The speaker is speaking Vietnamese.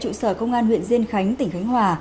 hôm nay tại trụ sở công an huyện diên khánh tỉnh khánh hòa